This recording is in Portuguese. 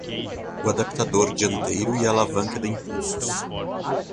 O adaptador dianteiro e a alavanca de impulsos